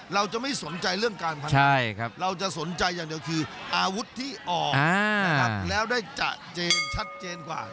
เราจะไม่สนใจเรื่องการพนันเราจะสนใจอย่างเดียวคืออาวุธที่ออกนะครับแล้วได้จะเจนชัดเจนกว่า